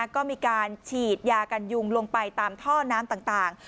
ก็มีการฉีดยากันยุงลงไปตามท่อน้ำต่าง